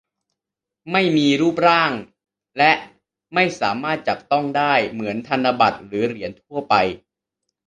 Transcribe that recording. ไม่มีรูปร่างและไม่สามารถจับต้องได้เหมือนธนบัตรหรือเหรียญทั่วไป